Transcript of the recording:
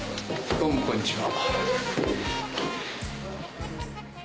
どうもこんにちは。